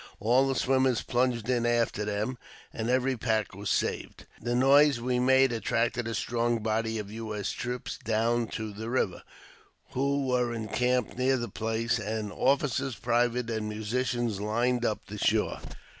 All the swimmers plunged in after them, and every pack was saved. The noise we made attracted a strong body of U. S. troops down to the river, who were encamped near the place, and officers, privates, and musicians lined the shore.